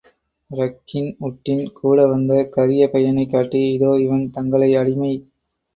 ரக்கின் உட்டின் கூடவந்த கரிய பையனைக் காட்டி, இதோ இவன் தங்களை அடிமை.